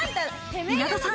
稲田さん